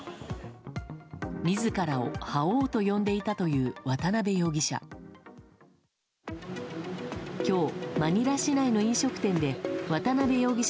自らを覇王と呼んでいたという渡辺容疑者。